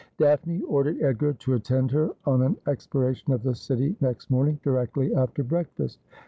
Daphne ordered Edgar to attend her on an exploration of the city next morning, directly after breakfast.